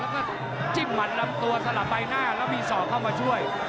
แล้วก็จิ้มหัดลำตัวสลับใบหน้าแล้วมีศอกเข้ามาช่วย